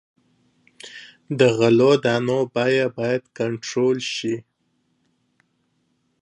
د غلو دانو بیه باید کنټرول شي.